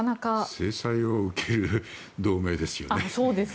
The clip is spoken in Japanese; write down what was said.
制裁を受ける同盟ですよね。